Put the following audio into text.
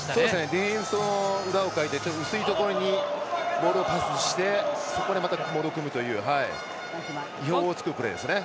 ディフェンスの裏をかいて薄いところにボールをパスしてそこで、またモールを組むという意表をつくプレーですね。